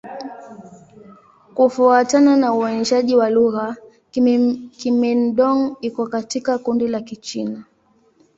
Kufuatana na uainishaji wa lugha, Kimin-Dong iko katika kundi la Kichina.